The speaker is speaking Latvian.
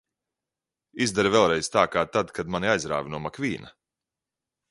Izdari vēlreiz tā, kā tad, kad mani aizrāvi no Makvīna!